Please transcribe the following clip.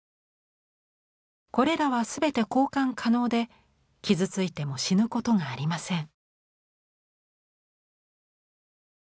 これらは全て交換可能で傷ついても死ぬことがありません。